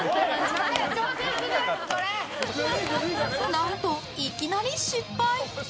何と、いきなり失敗。